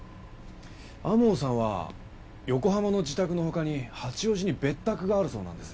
天羽さんは横浜の自宅の他に八王子に別宅があるそうなんです。